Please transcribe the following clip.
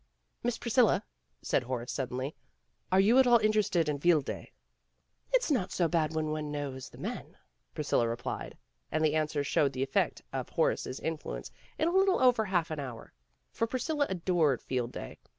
"Miss Priscilla," said Horace suddenly, "are you at all interested in Field Day?" "It's not so bad when one knows the men," Priscilla replied, and the answer showed the effect of Horace 's influence in a little over half an hour. For Priscilla adored Field Day.